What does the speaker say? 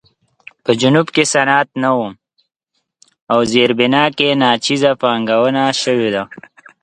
په جنوب کې صنعت نه و او زیربنا کې ناچیزه پانګونه شوې وه.